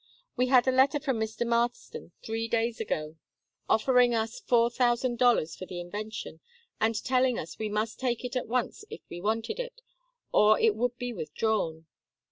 We had a letter from Mr. Marston three days ago, offering us four thousand dollars for the invention, and telling us we must take it at once if we wanted it, or it would be withdrawn.